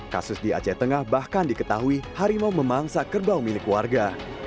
kasus di aceh tengah bahkan diketahui harimau memangsa kerbau milik warga